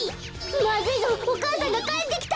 まずいぞお母さんがかえってきた！